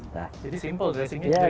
jadi simple dressingnya juga ya